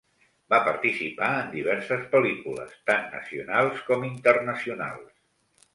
Va participar en diverses pel·lícules, tant nacionals, com internacionals.